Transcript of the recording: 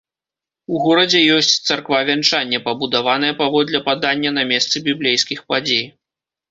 У горадзе ёсць царква вянчання, пабудаваная, паводле падання, на месцы біблейскіх падзей.